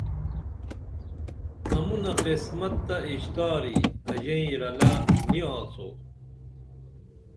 امونہ قسمت تہ اِشتاری اژئیں رلہ نی آڅو